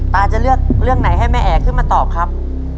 จะเลือกเรื่องไหนให้แม่แอ๋ขึ้นมาตอบครับ